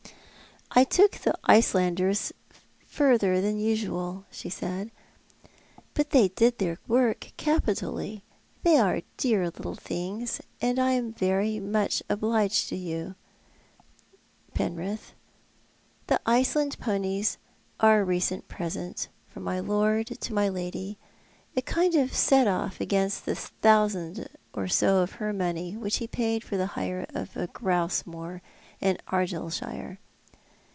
" I took the Icelanders further than usual," she said, " but they did their work capitally. They are dear little things, and I am very much obliged to you for them, Penrith." The Iceland ponies are a recent present from my lord to my lady — a kind of set off against the thousand or so of her money which he paid for the hire of a grouse moor in Argyleshire.